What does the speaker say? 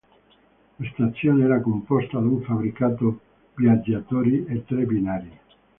La stazione era composta da un fabbricato viaggiatori e tre binari.